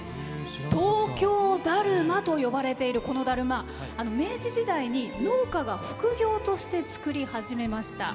東京だるまと呼ばれているこのだるま明治時代に農家が副業として作り始めました。